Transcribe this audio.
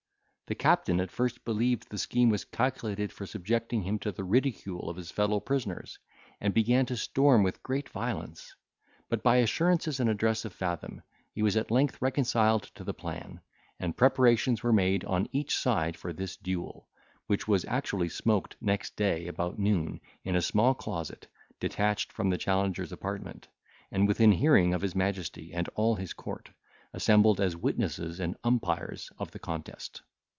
The captain at first believed the scheme was calculated for subjecting him to the ridicule of his fellow prisoners, and began to storm with great violence; but, by the assurances and address of Fathom, he was at length reconciled to the plan, and preparations were made on each side for this duel, which was actually smoked next day, about noon, in a small closet, detached from the challenger's apartment, and within hearing of his majesty, and all his court, assembled as witnesses and umpires of the contest.